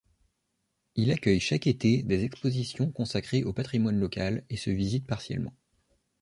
Il accueille chaque été des expositions consacrées au patrimoine local, et se visite partiellement.